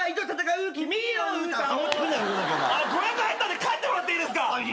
ご予約が入ったんで帰ってもらっていいですか。